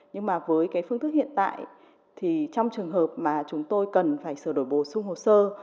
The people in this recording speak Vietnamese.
nhưng mà với cái phương thức hiện tại thì trong trường hợp mà chúng tôi cần phải sửa đổi bổ sung hồ sơ